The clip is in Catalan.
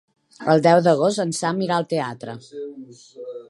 El deu d'agost en Sam irà al teatre.